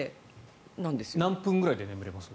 何分ぐらいで眠れます？